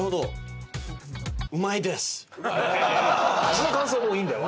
味の感想もういいんだよ。